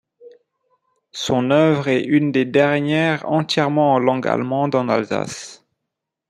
Son œuvre est une des dernières entièrement en langue allemande en Alsace.